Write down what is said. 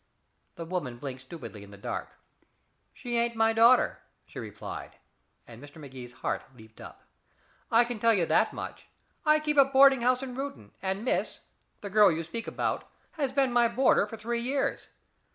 The woman blinked stupidly in the dusk. "She ain't my daughter," she replied, and Mr. Magee's heart leaped up. "I can tell you that much. I keep a boarding house in Reuton and Miss the girl you speak about has been my boarder for three years.